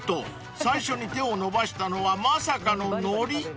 ［最初に手を伸ばしたのはまさかののり！］